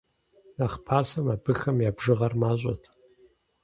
Нэхъ пасэм абыхэм я бжыгъэр мащӀэт.